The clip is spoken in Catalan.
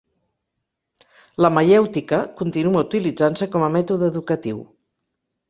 La maièutica continua utilitzant-se com a mètode educatiu.